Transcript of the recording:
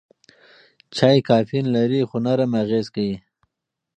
چای کافین لري خو نرم اغېز کوي.